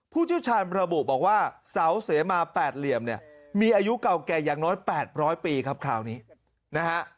ผู้เชี่ยวชาญระบุบอกว่าเสาเสมา๘เหลี่ยมเนี่ยมีอายุเก่าแก่อย่างน้อย๘๐๐ปีครับคราวนี้นะฮะ